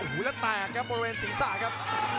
โอ้โหแล้วแตกครับบริเวณศีรษะครับ